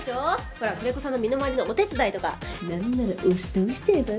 ほら久連木さんの身の回りのお手伝いとかなんなら押し倒しちゃえば？